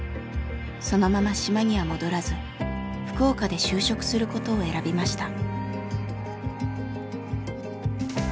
そのまま島には戻らず福岡で就職することを選びました。